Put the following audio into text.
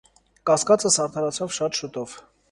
Կասկածս արդարացավ շատ շուտով: